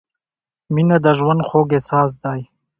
• مینه د ژوند خوږ احساس دی.